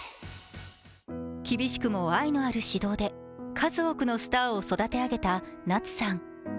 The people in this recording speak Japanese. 厳しくも愛のある指導で数多くのスターを育て上げた夏さん。